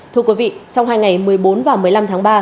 thưa quý vị trong hai ngày một mươi bốn và một mươi năm tháng ba